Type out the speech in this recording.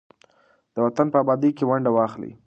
د وطن په ابادۍ کې ونډه واخلئ.